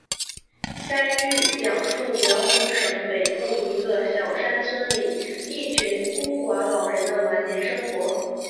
该剧讲述辽宁省北部一个小山村里一群孤寡老人的晚年生活。